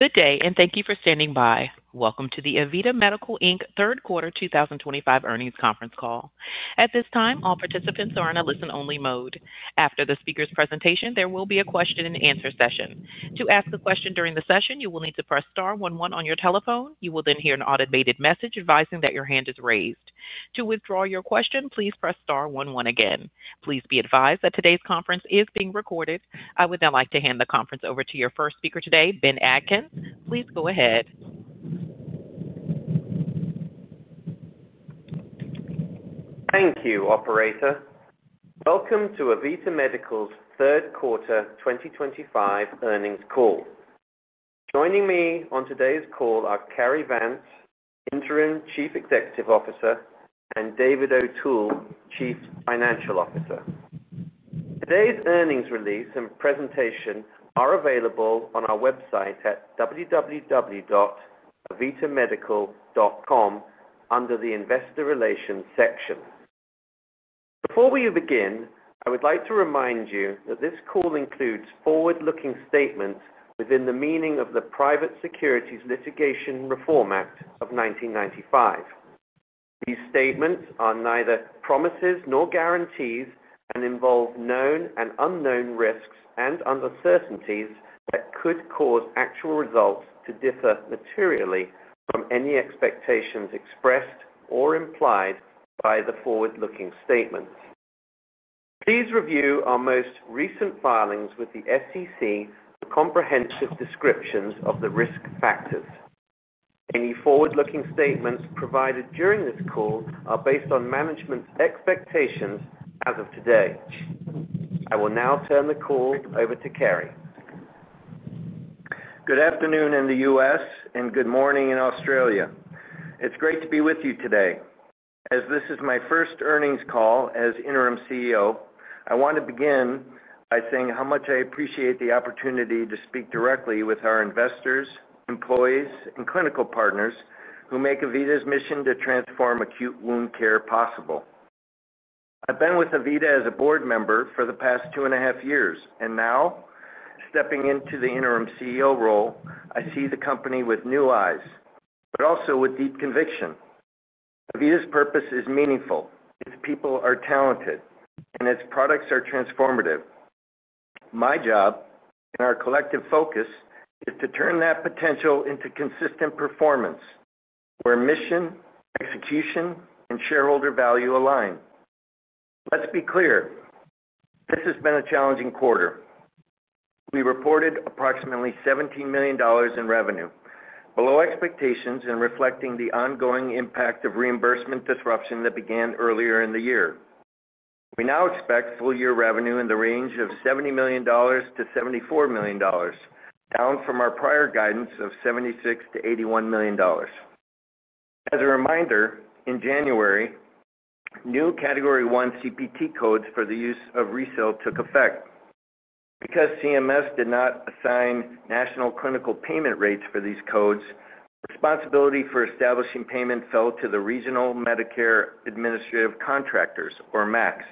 Good day, and thank you for standing by. Welcome to the AVITA Medical Third Quarter 2025 Earnings Conference Call. At this time, all participants are in a listen-only mode. After the speaker's presentation, there will be a question-and-answer session. To ask a question during the session, you will need to press star one one on your telephone. You will then hear an automated message advising that your hand is raised. To withdraw your question, please press star one one again. Please be advised that today's conference is being recorded. I would now like to hand the conference over to your first speaker today, Ben Atkins. Please go ahead. Thank you, Operator. Welcome to AVITA Medical's Third Quarter 2025 Earnings Call. Joining me on today's call are Cary Vance, Interim Chief Executive Officer, and David O'Toole, Chief Financial Officer. Today's earnings release and presentation are available on our website at www.avitamedical.com under the Investor Relations section. Before we begin, I would like to remind you that this call includes forward-looking statements within the meaning of the Private Securities Litigation Reform Act of 1995. These statements are neither promises nor guarantees and involve known and unknown risks and uncertainties that could cause actual results to differ materially from any expectations expressed or implied by the forward-looking statements. Please review our most recent filings with the SEC for comprehensive descriptions of the risk factors. Any forward-looking statements provided during this call are based on management's expectations as of today. I will now turn the call over to Cary. Good afternoon in the U.S., and good morning in Australia. It's great to be with you today. As this is my first earnings call as Interim CEO, I want to begin by saying how much I appreciate the opportunity to speak directly with our investors, employees, and clinical partners who make AVITA's mission to transform acute wound care possible. I've been with AVITA as a board member for the past 2.5 years, and now, stepping into the Interim CEO role, I see the company with new eyes, but also with deep conviction. AVITA's purpose is meaningful. Its people are talented, and its products are transformative. My job and our collective focus is to turn that potential into consistent performance where mission, execution, and shareholder value align. Let's be clear, this has been a challenging quarter. We reported approximately $17 million in revenue, below expectations and reflecting the ongoing impact of reimbursement disruption that began earlier in the year. We now expect full-year revenue in the range of $70 million-$74 million, down from our prior guidance of $76 million-$81 million. As a reminder, in January. New Category 1 CPT codes for the use of RECELL took effect. Because CMS did not assign national clinical payment rates for these codes, responsibility for establishing payment fell to the Regional Medicare Administrative Contractors, or MACs.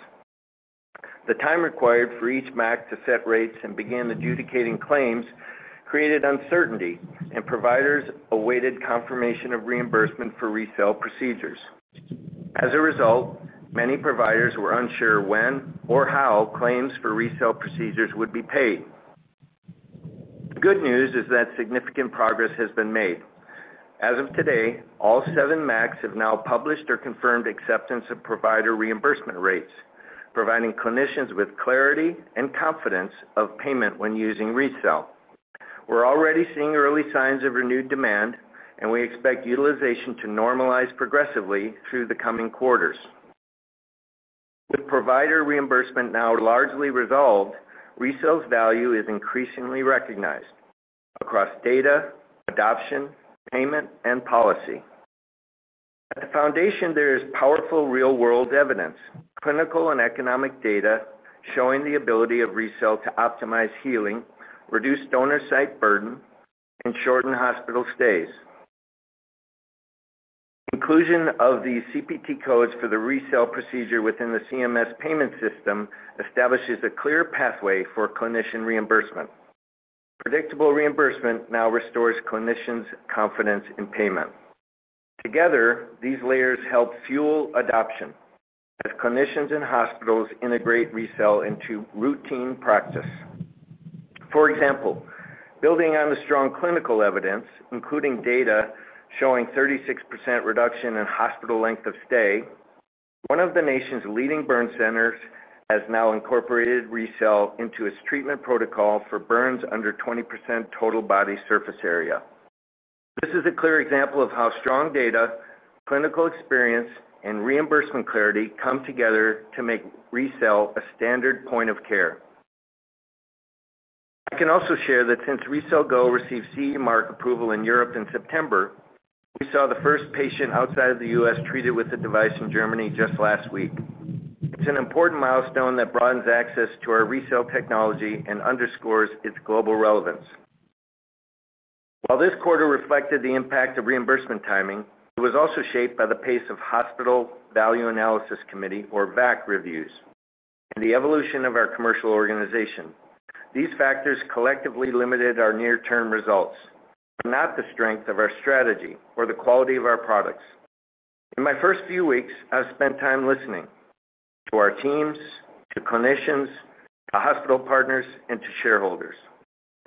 The time required for each MAC to set rates and begin adjudicating claims created uncertainty, and providers awaited confirmation of reimbursement for RECELL procedures. As a result, many providers were unsure when or how claims for RECELL procedures would be paid. The good news is that significant progress has been made. As of today, all seven MACs have now published or confirmed acceptance of provider reimbursement rates, providing clinicians with clarity and confidence of payment when using RECELL. We're already seeing early signs of renewed demand, and we expect utilization to normalize progressively through the coming quarters. With provider reimbursement now largely resolved, RECELL's value is increasingly recognized across data, adoption, payment, and policy. At the foundation, there is powerful real-world evidence, clinical and economic data showing the ability of RECELL to optimize healing, reduce donor site burden, and shorten hospital stays. Inclusion of the CPT codes for the RECELL procedure within the CMS payment system establishes a clear pathway for clinician reimbursement. Predictable reimbursement now restores clinicians' confidence in payment. Together, these layers help fuel adoption as clinicians and hospitals integrate RECELL into routine practice. For example, building on the strong clinical evidence, including data showing 36% reduction in hospital length of stay, one of the nation's leading burn centers has now incorporated RECELL into its treatment protocol for burns under 20% total body surface area. This is a clear example of how strong data, clinical experience, and reimbursement clarity come together to make RECELL a standard point of care. I can also share that since RECELL GO received CE mark approval in Europe in September, we saw the first patient outside of the U.S. treated with the device in Germany just last week. It's an important milestone that broadens access to our RECELL technology and underscores its global relevance. While this quarter reflected the impact of reimbursement timing, it was also shaped by the pace of hospital Value Analysis Committee, or VAC, reviews and the evolution of our commercial organization. These factors collectively limited our near-term results, but not the strength of our strategy or the quality of our products. In my first few weeks, I've spent time listening to our teams, to clinicians, to hospital partners, and to shareholders.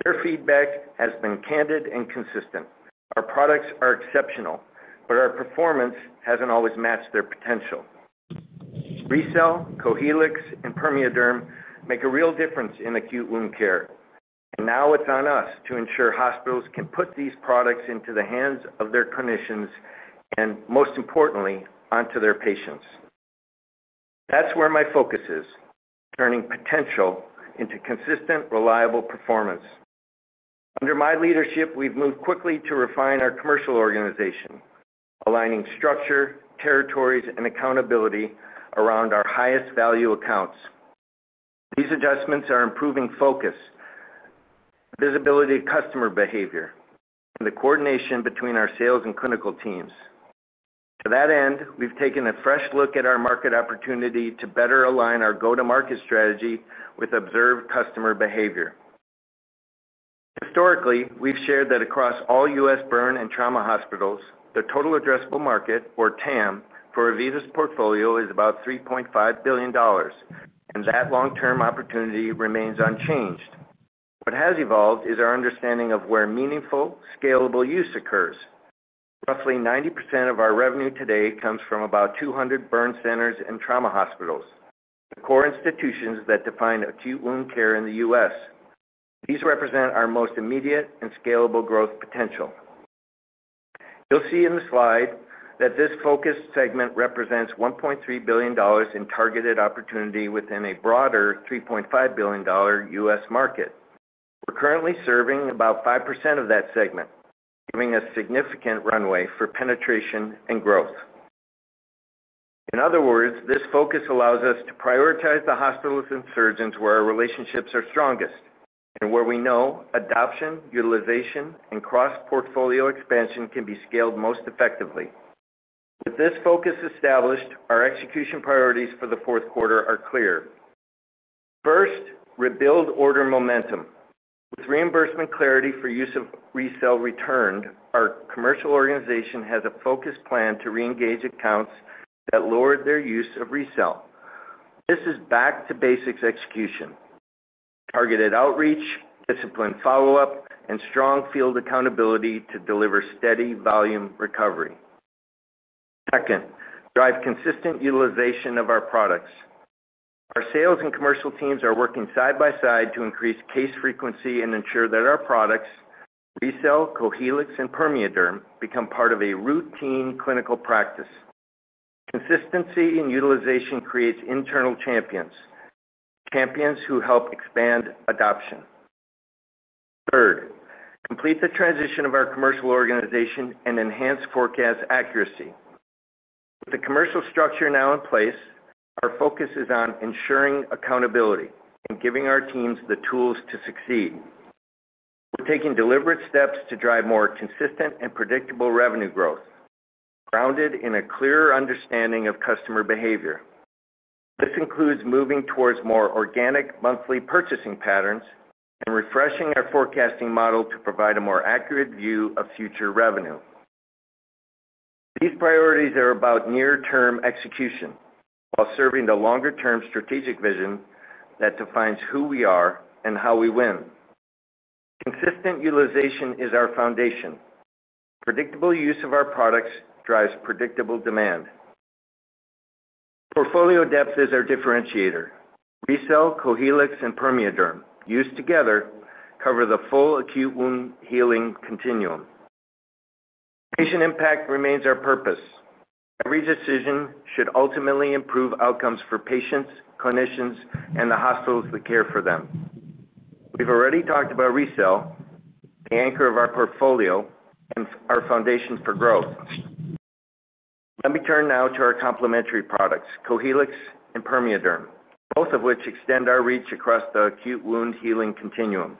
Their feedback has been candid and consistent. Our products are exceptional, but our performance hasn't always matched their potential. RECELL, Cohealyx, and PermeaDerm make a real difference in acute wound care, and now it's on us to ensure hospitals can put these products into the hands of their clinicians and, most importantly, onto their patients. That's where my focus is: turning potential into consistent, reliable performance. Under my leadership, we've moved quickly to refine our commercial organization, aligning structure, territories, and accountability around our highest value accounts. These adjustments are improving focus, visibility of customer behavior, and the coordination between our sales and clinical teams. To that end, we've taken a fresh look at our market opportunity to better align our go-to-market strategy with observed customer behavior. Historically, we've shared that across all U.S. burn and trauma hospitals, the total addressable market, or TAM, for AVITA's portfolio is about $3.5 billion, and that long-term opportunity remains unchanged. What has evolved is our understanding of where meaningful, scalable use occurs. Roughly 90% of our revenue today comes from about 200 burn centers and trauma hospitals, the core institutions that define acute wound care in the U.S. These represent our most immediate and scalable growth potential. You'll see in the slide that this focused segment represents $1.3 billion in targeted opportunity within a broader $3.5 billion U.S. market. We're currently serving about 5% of that segment, giving us significant runway for penetration and growth. In other words, this focus allows us to prioritize the hospitals and surgeons where our relationships are strongest and where we know adoption, utilization, and cross-portfolio expansion can be scaled most effectively. With this focus established, our execution priorities for the fourth quarter are clear. First, rebuild order momentum. With reimbursement clarity for use of RECELL returned, our commercial organization has a focused plan to reengage accounts that lowered their use of RECELL. This is back to basics execution. Targeted outreach, disciplined follow-up, and strong field accountability to deliver steady volume recovery. Second, drive consistent utilization of our products. Our sales and commercial teams are working side by side to increase case frequency and ensure that our products, RECELL, Cohealyx, and PermeaDerm, become part of a routine clinical practice. Consistency in utilization creates internal champions. Champions who help expand adoption. Third, complete the transition of our commercial organization and enhance forecast accuracy. With the commercial structure now in place, our focus is on ensuring accountability and giving our teams the tools to succeed. We're taking deliberate steps to drive more consistent and predictable revenue growth, grounded in a clearer understanding of customer behavior. This includes moving towards more organic monthly purchasing patterns and refreshing our forecasting model to provide a more accurate view of future revenue. These priorities are about near-term execution while serving the longer-term strategic vision that defines who we are and how we win. Consistent utilization is our foundation. Predictable use of our products drives predictable demand. Portfolio depth is our differentiator. RECELL, Cohealyx, and PermeaDerm, used together, cover the full acute wound healing continuum. Patient impact remains our purpose. Every decision should ultimately improve outcomes for patients, clinicians, and the hospitals that care for them. We've already talked about RECELL, the anchor of our portfolio, and our foundation for growth. Let me turn now to our complementary products, Cohealyx and PermeaDerm, both of which extend our reach across the acute wound healing continuum.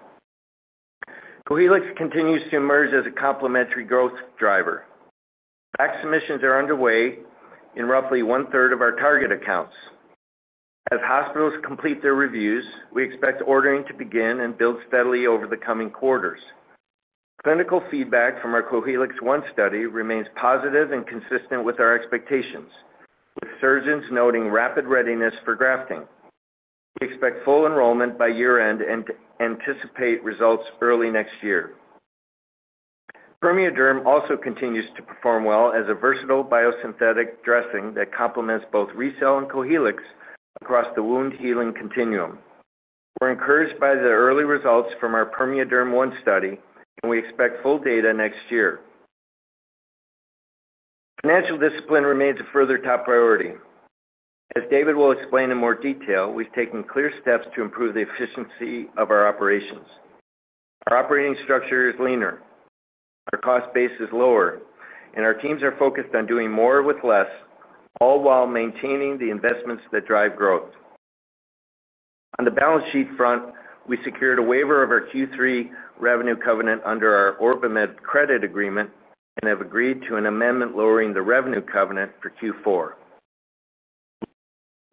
Cohealyx continues to emerge as a complementary growth driver. VAC submissions are underway in roughly 1/3 of our target accounts. As hospitals complete their reviews, we expect ordering to begin and build steadily over the coming quarters. Clinical feedback from our Cohealyx I study remains positive and consistent with our expectations, with surgeons noting rapid readiness for grafting. We expect full enrollment by year-end and anticipate results early next year. PermeaDerm also continues to perform well as a versatile biosynthetic dressing that complements both RECELL and Cohealyx across the wound healing continuum. We're encouraged by the early results from our PermeaDerm-I study, and we expect full data next year. Financial discipline remains a further top priority. As David will explain in more detail, we've taken clear steps to improve the efficiency of our operations. Our operating structure is leaner. Our cost base is lower, and our teams are focused on doing more with less, all while maintaining the investments that drive growth. On the balance sheet front, we secured a waiver of our Q3 revenue covenant under our OrbiMed credit agreement and have agreed to an amendment lowering the revenue covenant for Q4.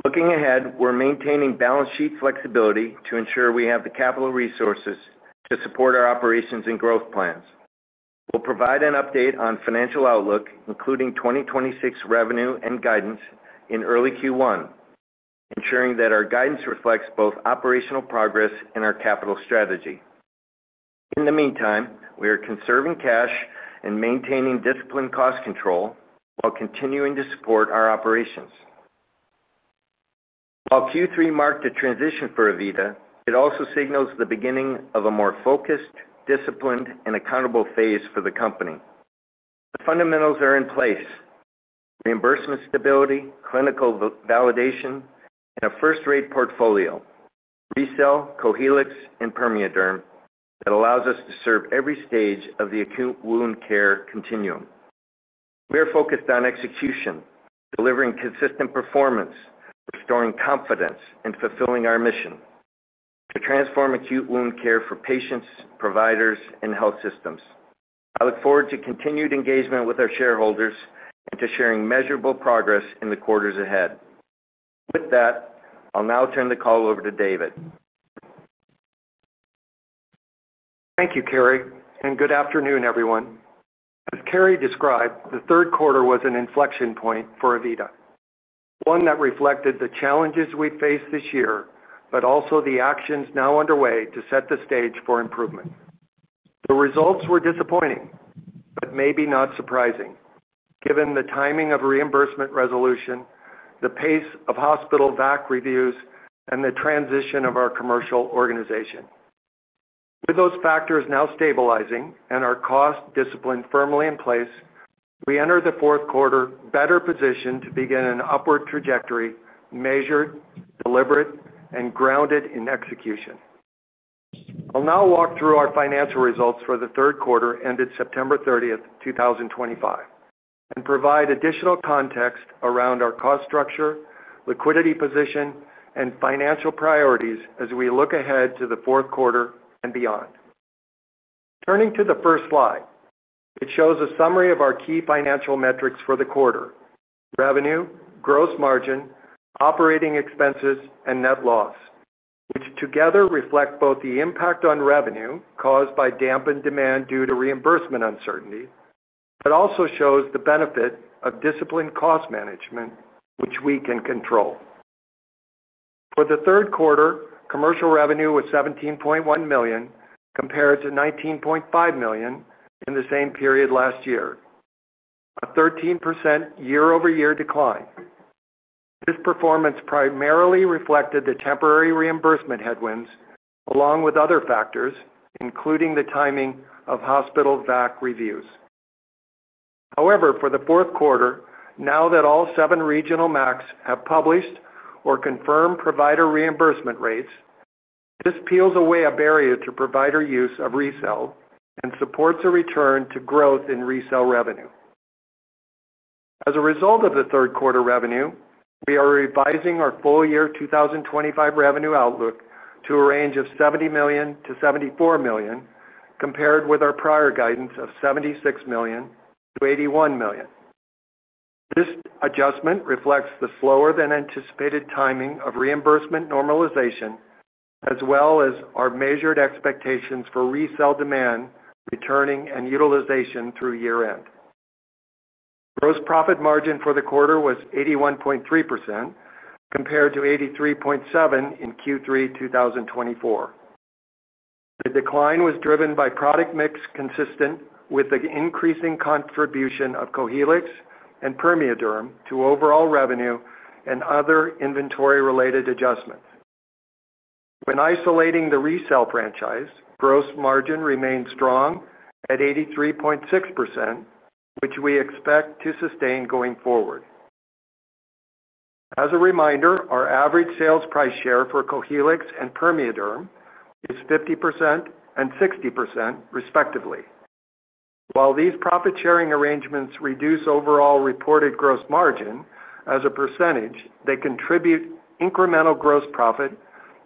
Looking ahead, we're maintaining balance sheet flexibility to ensure we have the capital resources to support our operations and growth plans. We'll provide an update on financial outlook, including 2026 revenue and guidance in early Q1. Ensuring that our guidance reflects both operational progress and our capital strategy. In the meantime, we are conserving cash and maintaining disciplined cost control while continuing to support our operations. While Q3 marked a transition for AVITA, it also signals the beginning of a more focused, disciplined, and accountable phase for the company. The fundamentals are in place. Reimbursement stability, clinical validation, and a first-rate portfolio: RECELL, Cohealyx, and PermeaDerm that allows us to serve every stage of the acute wound care continuum. We are focused on execution, delivering consistent performance, restoring confidence, and fulfilling our mission. To transform acute wound care for patients, providers, and health systems. I look forward to continued engagement with our shareholders and to sharing measurable progress in the quarters ahead. With that, I'll now turn the call over to David. Thank you, Cary, and good afternoon, everyone. As Cary described, the third quarter was an inflection point for AVITA, one that reflected the challenges we faced this year, but also the actions now underway to set the stage for improvement. The results were disappointing, but maybe not surprising, given the timing of reimbursement resolution, the pace of hospital VAC reviews, and the transition of our commercial organization. With those factors now stabilizing and our cost discipline firmly in place, we enter the fourth quarter better positioned to begin an upward trajectory measured, deliberate, and grounded in execution. I'll now walk through our financial results for the third quarter ended September 30th, 2025, and provide additional context around our cost structure, liquidity position, and financial priorities as we look ahead to the fourth quarter and beyond. Turning to the first slide, it shows a summary of our key financial metrics for the quarter: revenue, gross margin, operating expenses, and net loss, which together reflect both the impact on revenue caused by dampened demand due to reimbursement uncertainty, but also shows the benefit of disciplined cost management, which we can control. For the third quarter, commercial revenue was $17.1 million compared to $19.5 million in the same period last year. A 13% year-over-year decline. This performance primarily reflected the temporary reimbursement headwinds along with other factors, including the timing of hospital VAC reviews. However, for the fourth quarter, now that all seven regional MACs have published or confirmed provider reimbursement rates, this peels away a barrier to provider use of RECELL and supports a return to growth in RECELL revenue. As a result of the third quarter revenue, we are revising our full year 2025 revenue outlook to a range of $70 million-$74 million compared with our prior guidance of $76 million-$81 million. This adjustment reflects the slower-than-anticipated timing of reimbursement normalization, as well as our measured expectations for RECELL demand returning and utilization through year-end. Gross profit margin for the quarter was 81.3%. Compared to 83.7% in Q3 2024. The decline was driven by product mix consistent with the increasing contribution of Cohealyx and PermeaDerm to overall revenue and other inventory-related adjustments. When isolating the RECELL franchise, gross margin remained strong at 83.6%, which we expect to sustain going forward. As a reminder, our average sales price share for Cohealyx and PermeaDerm is 50% and 60%, respectively. While these profit-sharing arrangements reduce overall reported gross margin as a percentage, they contribute incremental gross profit,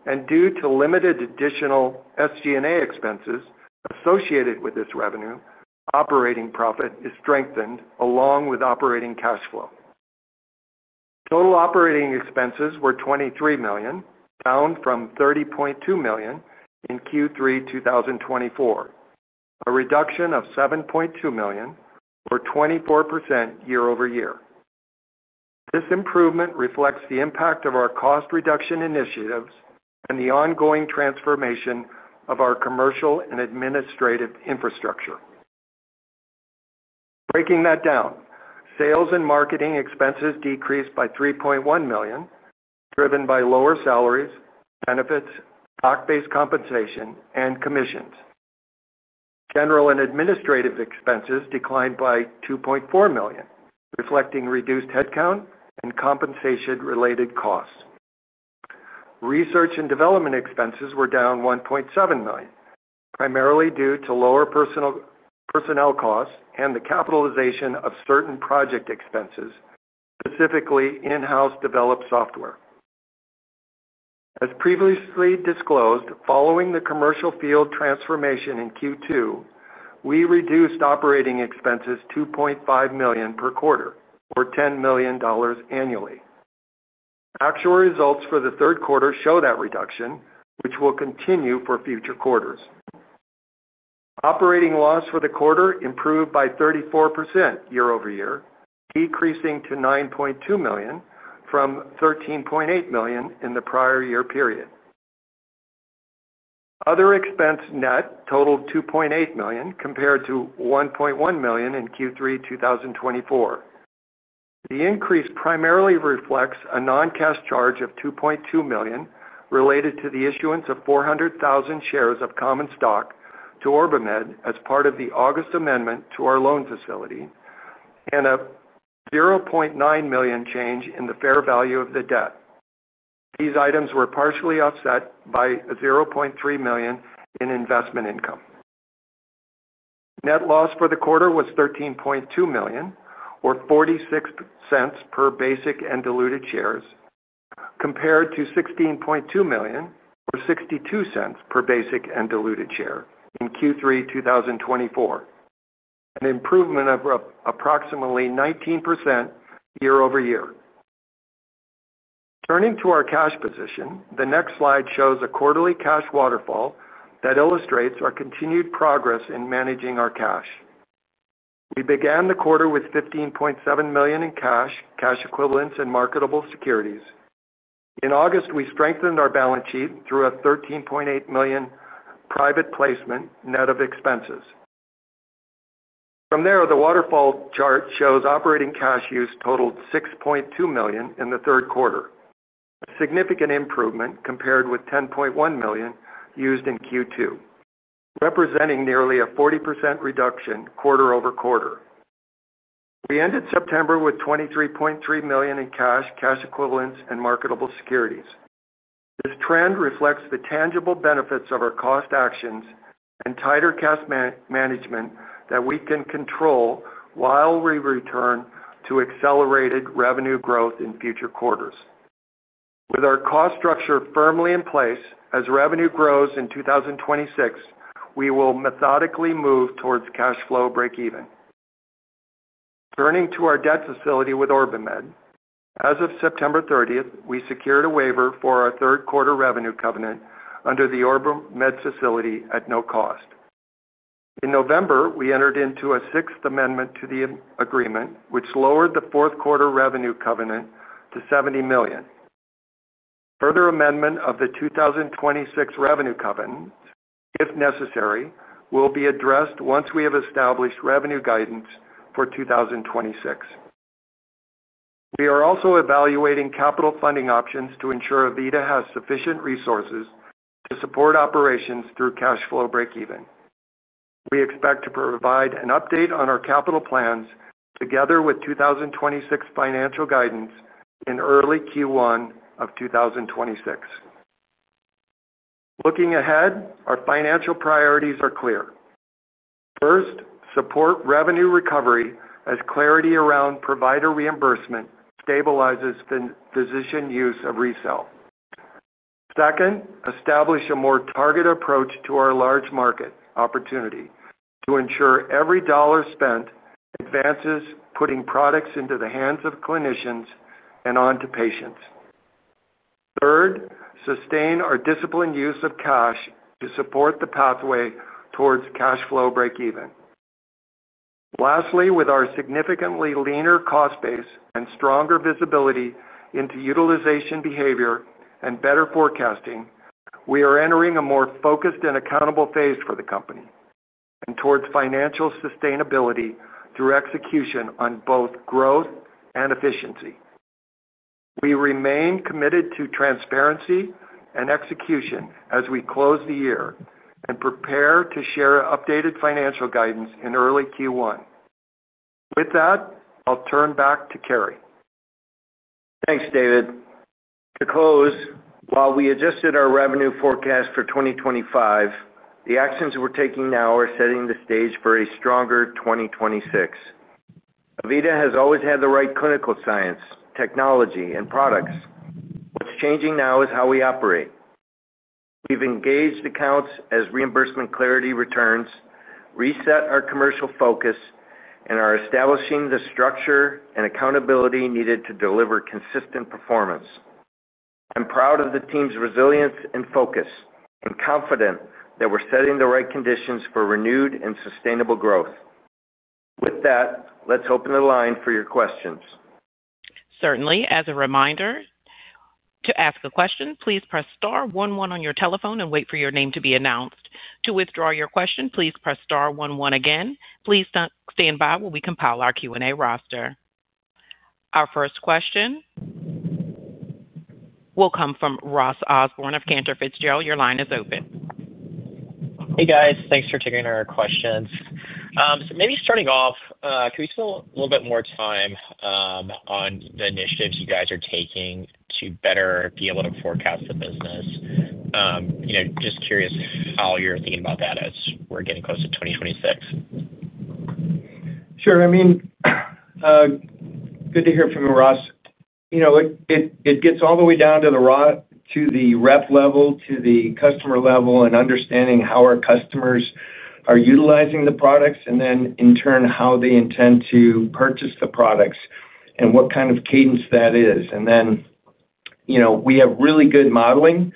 and due to limited additional SG&A expenses associated with this revenue, operating profit is strengthened along with operating cash flow. Total operating expenses were $23 million, down from $30.2 million in Q3 2024. A reduction of $7.2 million or 24% year-over-year. This improvement reflects the impact of our cost reduction initiatives and the ongoing transformation of our commercial and administrative infrastructure. Breaking that down, sales and marketing expenses decreased by $3.1 million, driven by lower salaries, benefits, stock-based compensation, and commissions. General and administrative expenses declined by $2.4 million, reflecting reduced headcount and compensation-related costs. Research and development expenses were down $1.7 million, primarily due to lower personnel costs and the capitalization of certain project expenses, specifically in-house developed software. As previously disclosed, following the commercial field transformation in Q2, we reduced operating expenses $2.5 million per quarter, or $10 million annually. Actual results for the third quarter show that reduction, which will continue for future quarters. Operating loss for the quarter improved by 34% year-over-year, decreasing to $9.2 million from $13.8 million in the prior year period. Other expense net totaled $2.8 million compared to $1.1 million in Q3 2024. The increase primarily reflects a non-cash charge of $2.2 million related to the issuance of 400,000 shares of common stock to OrbiMed as part of the August amendment to our loan facility and a $0.9 million change in the fair value of the debt. These items were partially offset by $0.3 million in investment income. Net loss for the quarter was $13.2 million, or $0.46 per basic and diluted share, compared to $16.2 million, or $0.62 per basic and diluted share in Q3 2024. An improvement of approximately 19% year-over-year. Turning to our cash position, the next slide shows a quarterly cash waterfall that illustrates our continued progress in managing our cash. We began the quarter with $15.7 million in cash, cash equivalents, and marketable securities. In August, we strengthened our balance sheet through a $13.8 million private placement net of expenses. From there, the waterfall chart shows operating cash use totaled $6.2 million in the third quarter, a significant improvement compared with $10.1 million used in Q2, representing nearly a 40% reduction quarter over quarter. We ended September with $23.3 million in cash, cash equivalents, and marketable securities. This trend reflects the tangible benefits of our cost actions and tighter cash management that we can control while we return to accelerated revenue growth in future quarters. With our cost structure firmly in place, as revenue grows in 2026, we will methodically move towards cash flow break-even. Turning to our debt facility with OrbiMed, as of September 30th, we secured a waiver for our third quarter revenue covenant under the OrbiMed facility at no cost. In November, we entered into a sixth amendment to the agreement, which lowered the fourth quarter revenue covenant to $70 million. Further amendment of the 2026 revenue covenant, if necessary, will be addressed once we have established revenue guidance for 2026. We are also evaluating capital funding options to ensure AVITA Medical has sufficient resources to support operations through cash flow break-even. We expect to provide an update on our capital plans together with 2026 financial guidance in early Q1 of 2026. Looking ahead, our financial priorities are clear. First, support revenue recovery as clarity around provider reimbursement stabilizes physician use of RECELL. Second, establish a more targeted approach to our large market opportunity to ensure every dollar spent advances putting products into the hands of clinicians and onto patients. Third, sustain our disciplined use of cash to support the pathway towards cash flow break-even. Lastly, with our significantly leaner cost base and stronger visibility into utilization behavior and better forecasting, we are entering a more focused and accountable phase for the company. Towards financial sustainability through execution on both growth and efficiency, we remain committed to transparency and execution as we close the year and prepare to share updated financial guidance in early Q1. With that, I'll turn back to Cary. Thanks, David. To close, while we adjusted our revenue forecast for 2025, the actions we're taking now are setting the stage for a stronger 2026. AVITA Medical has always had the right clinical science, technology, and products. What's changing now is how we operate. We've engaged accounts as reimbursement clarity returns, reset our commercial focus, and are establishing the structure and accountability needed to deliver consistent performance. I'm proud of the team's resilience and focus and confident that we're setting the right conditions for renewed and sustainable growth. With that, let's open the line for your questions. Certainly. As a reminder, to ask a question, please press star one one on your telephone and wait for your name to be announced. To withdraw your question, please press star one one again. Please stand by while we compile our Q&A roster. Our first question will come from Ross Osborn of Cantor Fitzgerald. Your line is open. Hey, guys. Thanks for taking our questions. Maybe starting off, could we spend a little bit more time on the initiatives you guys are taking to better be able to forecast the business? Just curious how you're thinking about that as we're getting close to 2026. Sure. I mean, good to hear from Ross. It gets all the way down to the rep level, to the customer level, and understanding how our customers are utilizing the products, and then, in turn, how they intend to purchase the products and what kind of cadence that is. We have really good modeling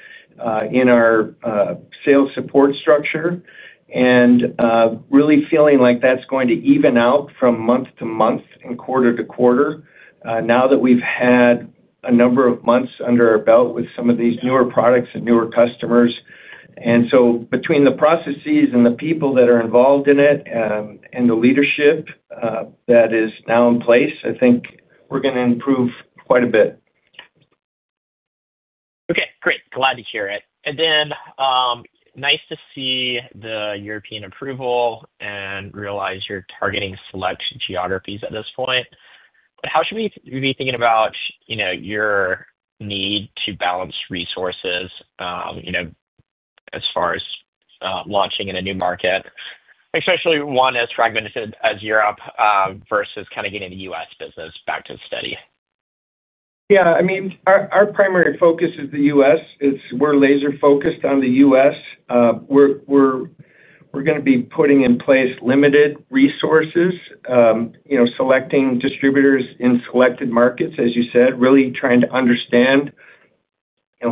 in our sales support structure and really feeling like that's going to even out from month to month and quarter to quarter now that we've had a number of months under our belt with some of these newer products and newer customers. Between the processes and the people that are involved in it and the leadership that is now in place, I think we're going to improve quite a bit. Okay. Great. Glad to hear it. Nice to see the European approval and realize you're targeting select geographies at this point. How should we be thinking about your need to balance resources as far as launching in a new market, especially one as fragmented as Europe versus kind of getting the U.S. business back to steady? Yeah. I mean, our primary focus is the U.S. We're laser-focused on the U.S. We're going to be putting in place limited resources, selecting distributors in selected markets, as you said, really trying to understand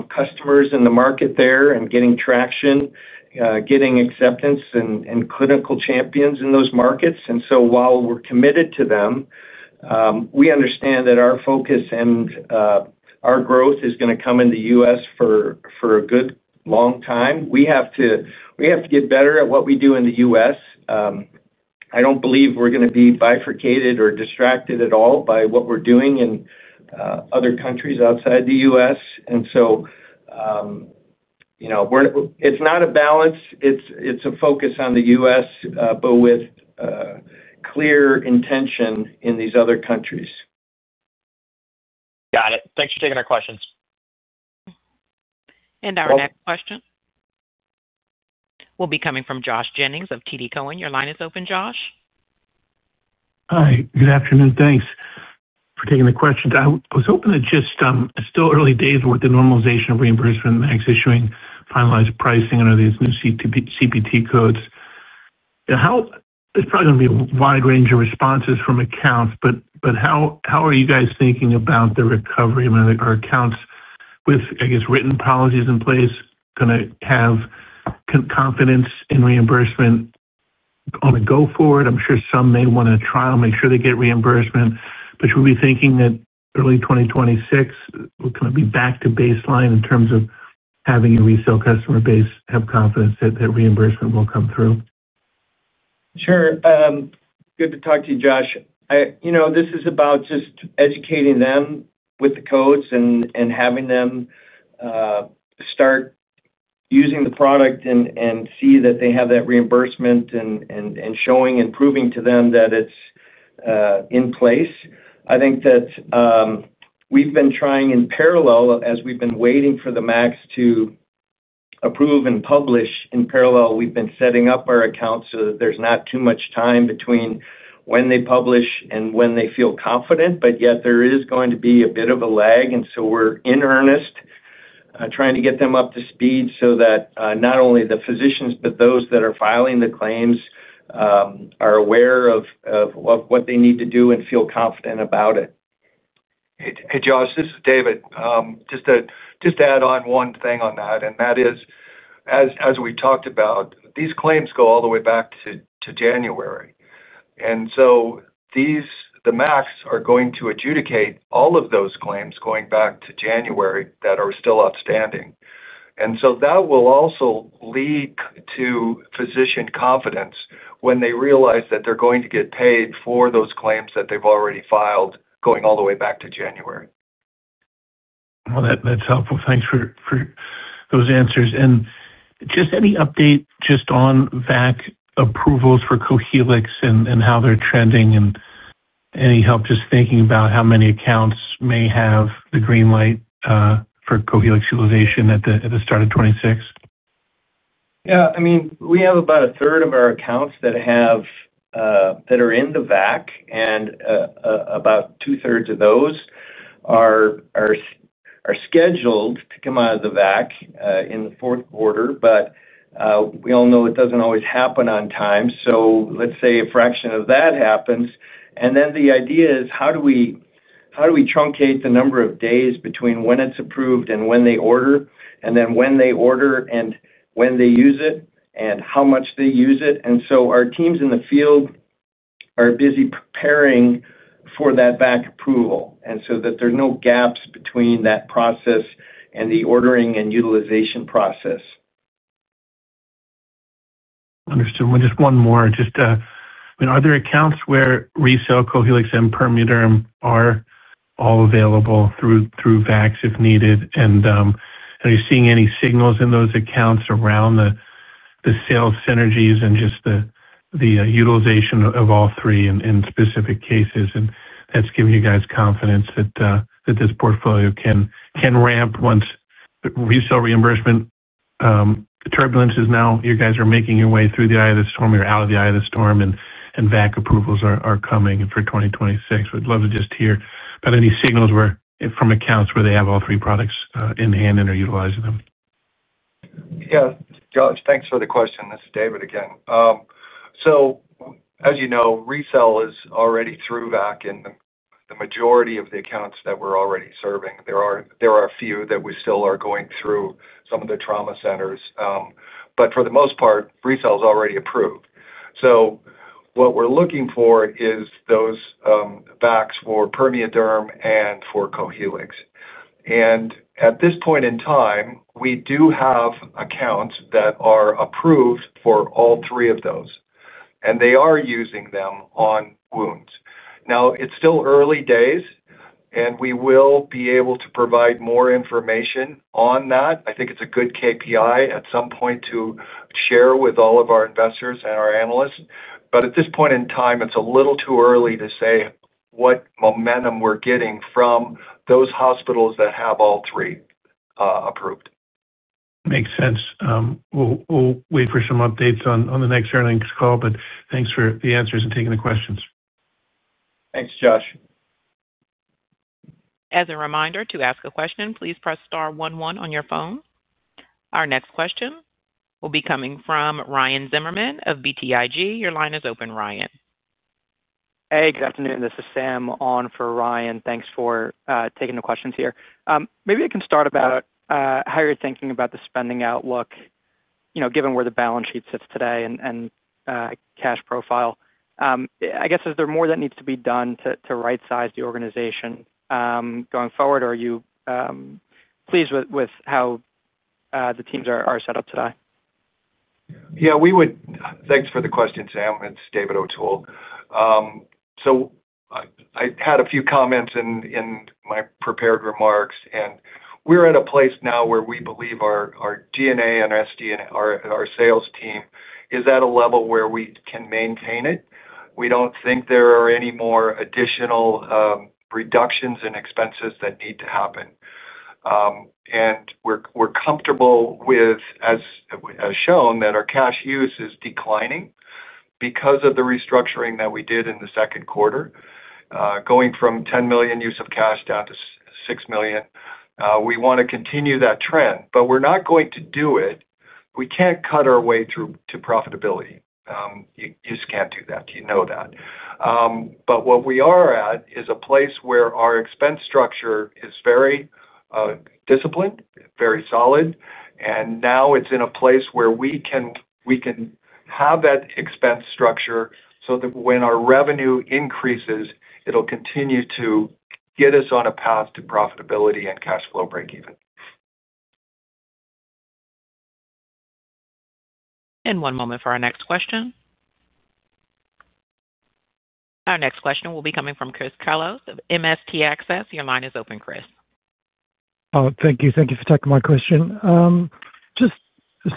customers in the market there and getting traction. Getting acceptance and clinical champions in those markets. While we're committed to them, we understand that our focus and our growth is going to come in the U.S. for a good long time. We have to get better at what we do in the U.S. I don't believe we're going to be bifurcated or distracted at all by what we're doing in other countries outside the U.S. It's not a balance. It's a focus on the U.S., but with clear intention in these other countries. Got it. Thanks for taking our questions. Our next question will be coming from Josh Jennings of TD Cowen. Your line is open, Josh. Hi. Good afternoon. Thanks for taking the question. I was hoping to just—it's still early days with the normalization of reimbursement and the MACs issuing finalized pricing under these new CPT codes. It's probably going to be a wide range of responses from accounts, but how are you guys thinking about the recovery when our accounts with, I guess, written policies in place are going to have confidence in reimbursement on the go forward? I'm sure some may want to trial and make sure they get reimbursement. Should we be thinking that early 2026, we're going to be back to baseline in terms of having a RECELL customer base have confidence that reimbursement will come through? Sure. Good to talk to you, Josh. This is about just educating them with the codes and having them start using the product and see that they have that reimbursement and showing and proving to them that it's in place. I think that we've been trying in parallel as we've been waiting for the MACs to approve and publish. In parallel, we've been setting up our accounts so that there's not too much time between when they publish and when they feel confident. Yet, there is going to be a bit of a lag. We are in earnest trying to get them up to speed so that not only the physicians, but those that are filing the claims, are aware of what they need to do and feel confident about it. Hey, Josh, this is David. Just to add on one thing on that, and that is as we talked about, these claims go all the way back to January. The MACs are going to adjudicate all of those claims going back to January that are still outstanding. That will also lead to physician confidence when they realize that they're going to get paid for those claims that they've already filed going all the way back to January. That's helpful. Thanks for those answers. Just any update just on VAC approvals for Cohealyx and how they're trending and any help just thinking about how many accounts may have the green light for Cohealyx utilization at the start of 2026? Yeah. I mean, we have about 1/3 of our accounts that are in the VAC, and about 2/3 of those are scheduled to come out of the VAC in the fourth quarter. But we all know it doesn't always happen on time. Let's say a fraction of that happens. The idea is, how do we truncate the number of days between when it's approved and when they order, and then when they order and when they use it, and how much they use it? Our teams in the field are busy preparing for that VAC approval so that there are no gaps between that process and the ordering and utilization process. Understood. Just one more. I mean, are there accounts where RECELL, Cohealyx, and PermeaDerm are all available through VACs if needed? Are you seeing any signals in those accounts around the sales synergies and just the utilization of all three in specific cases? That's giving you guys confidence that this portfolio can ramp once RECELL reimbursement. Turbulence is now you guys are making your way through the eye of the storm or out of the eye of the storm, and VAC approvals are coming for 2026. We'd love to just hear about any signals from accounts where they have all three products in hand and are utilizing them. Yeah. Josh, thanks for the question. This is David again. As you know, RECELL is already through VAC in the majority of the accounts that we're already serving. There are a few that we still are going through some of the trauma centers. For the most part, RECELL is already approved. What we're looking for is those VACs for PermeaDerm and for Cohealyx. At this point in time, we do have accounts that are approved for all three of those, and they are using them on wounds. Now, it's still early days, and we will be able to provide more information on that. I think it's a good KPI at some point to share with all of our investors and our analysts. At this point in time, it's a little too early to say what momentum we're getting from those hospitals that have all three approved. Makes sense. We'll wait for some updates on the next earnings call, but thanks for the answers and taking the questions. Thanks, Josh. As a reminder to ask a question, please press star one one on your phone. Our next question will be coming from Ryan Zimmerman of BTIG. Your line is open, Ryan. Hey, good afternoon. This is Sam on for Ryan. Thanks for taking the questions here. Maybe I can start about how you're thinking about the spending outlook, given where the balance sheet sits today and cash profile. I guess, is there more that needs to be done to right-size the organization going forward, or are you pleased with how the teams are set up today? Yeah. Thanks for the question, Sam. It's David O'Toole. I had a few comments in my prepared remarks. We're at a place now where we believe our DNA and our sales team is at a level where we can maintain it. We don't think there are any more additional reductions in expenses that need to happen. We're comfortable with, as shown, that our cash use is declining because of the restructuring that we did in the second quarter, going from $10 million use of cash down to $6 million. We want to continue that trend, but we're not going to do it. We can't cut our way through to profitability. You just can't do that. You know that. What we are at is a place where our expense structure is very disciplined, very solid, and now it's in a place where we can have that expense structure so that when our revenue increases, it'll continue to get us on a path to profitability and cash flow breakeven. One moment for our next question. Our next question will be coming from Chris Kallos of MST Access. Your line is open, Chris. Thank you. Thank you for taking my question. Just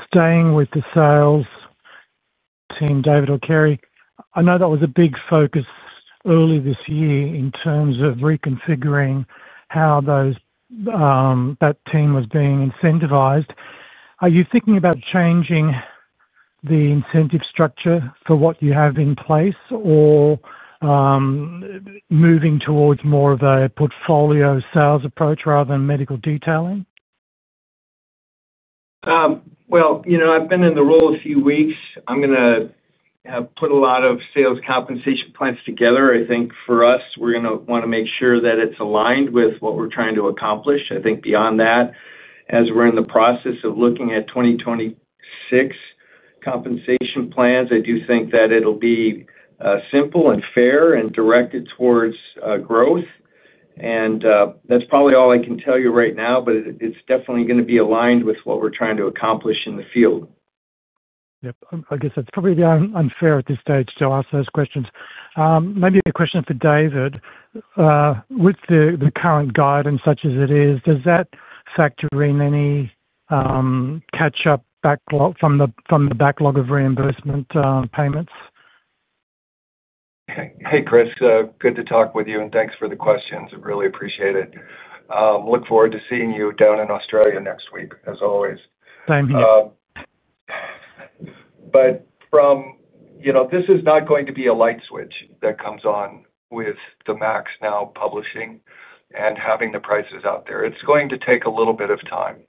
staying with the sales team, David and Cary, I know that was a big focus early this year in terms of reconfiguring how that team was being incentivized. Are you thinking about changing the incentive structure for what you have in place or moving towards more of a portfolio sales approach rather than medical detailing? I've been in the role a few weeks. I'm going to put a lot of sales compensation plans together. I think for us, we're going to want to make sure that it's aligned with what we're trying to accomplish. I think beyond that, as we're in the process of looking at 2026 compensation plans, I do think that it'll be simple and fair and directed towards growth. That's probably all I can tell you right now, but it's definitely going to be aligned with what we're trying to accomplish in the field. Yep. I guess that's probably unfair at this stage to ask those questions. Maybe a question for David. With the current guidance such as it is, does that factor in any catch-up backlog from the backlog of reimbursement payments? Hey, Chris. Good to talk with you, and thanks for the questions. I really appreciate it. Look forward to seeing you down in Australia next week, as always. Same here. This is not going to be a light switch that comes on with the MACs now publishing and having the prices out there. It's going to take a little bit of time.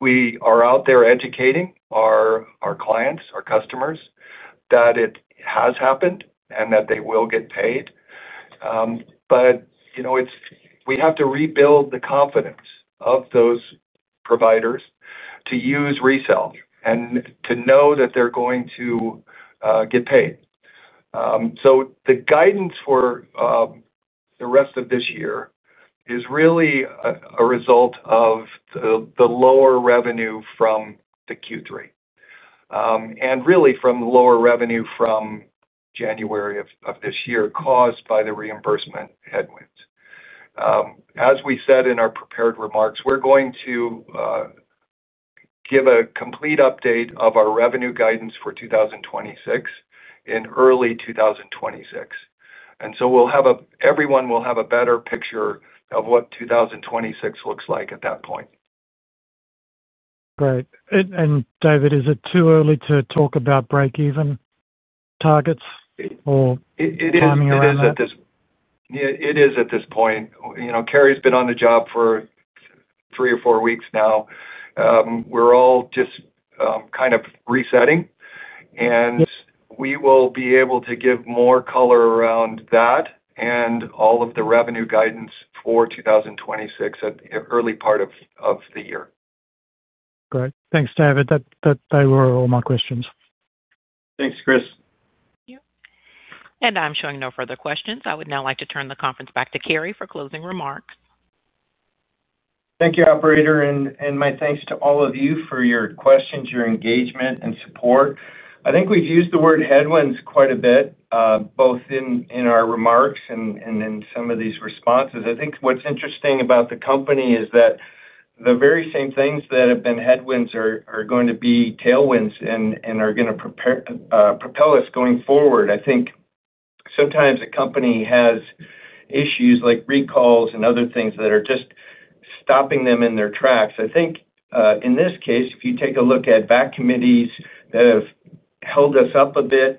We are out there educating our clients, our customers, that it has happened and that they will get paid. We have to rebuild the confidence of those providers to use RECELL and to know that they're going to get paid. The guidance for the rest of this year is really a result of the lower revenue from the Q3 and really, from the lower revenue from January of this year caused by the reimbursement headwinds. As we said in our prepared remarks, we're going to give a complete update of our revenue guidance for 2026 in early 2026. Everyone will have a better picture of what 2026 looks like at that point. Great. David, is it too early to talk about breakeven targets or timing around? It is at this point. Cary's been on the job for three or four weeks now. We're all just kind of resetting. We will be able to give more color around that and all of the revenue guidance for 2026 at the early part of the year. Great. Thanks, David. They were all my questions. Thanks, Chris. Thank you. I'm showing no further questions. I would now like to turn the conference back to Cary for closing remarks. Thank you, operator. My thanks to all of you for your questions, your engagement, and support. I think we've used the word headwinds quite a bit, both in our remarks and in some of these responses. I think what's interesting about the company is that the very same things that have been headwinds are going to be tailwinds and are going to propel us going forward. I think sometimes a company has issues like recalls and other things that are just stopping them in their tracks. I think, in this case, if you take a look at VAC committees that have held us up a bit,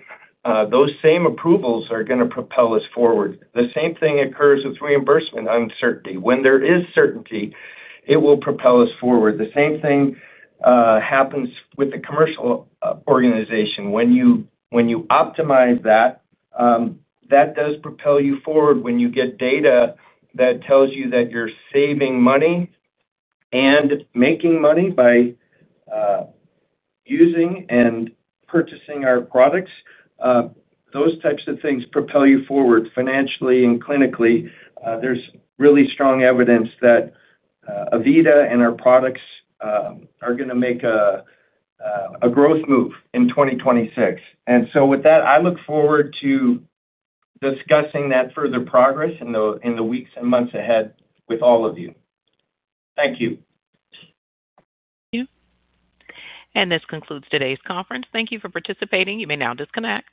those same approvals are going to propel us forward. The same thing occurs with reimbursement uncertainty. When there is certainty, it will propel us forward. The same thing happens with the commercial organization. When you optimize that, that does propel you forward. When you get data that tells you that you're saving money and making money by using and purchasing our products. Those types of things propel you forward financially and clinically. There is really strong evidence that AVITA and our products are going to make a growth move in 2026. With that, I look forward to discussing that further progress in the weeks and months ahead with all of you. Thank you. Thank you. This concludes today's conference. Thank you for participating. You may now disconnect.